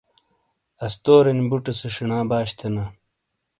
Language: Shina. استورینی بُٹے سے شینا باش تھینا۔